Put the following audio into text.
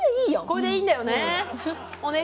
これでいいんだよね。